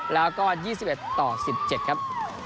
แล้วก็๒๑๑๗ครับ